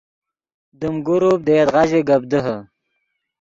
دیم گروپ دے یدغا ژے گپ دیہے